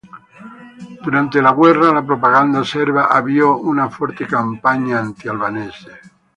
Durante la guerra, la propaganda serba avviò una forte campagna anti-albanese.